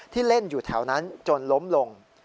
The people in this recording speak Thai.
เล่นอยู่แถวนั้นจนล้มลง